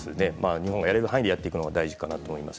日本がやれる範囲でやるのが大事かと思います。